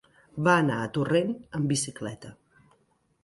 Va anar a Torrent amb bicicleta.